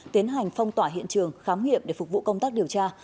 tiến hành phong tỏa hiện trường khám nghiệm để phục vụ công tác điều tra